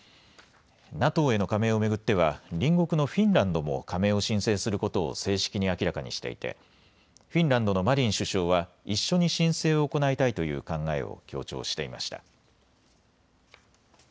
ＮＡＴＯへの加盟を巡っては隣国のフィンランドも加盟を申請することを正式に明らかにしていて、フィンランドのマリン首相は一緒に申請を行いたいという考えを強調していました。